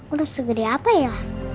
udah segede apa ya